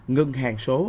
ngân hàng số